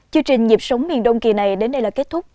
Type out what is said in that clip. chương trình nhịp sống miền đông kỳ này đến đây là kết thúc